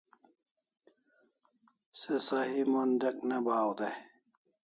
Se sahi mon dek ne bahaw day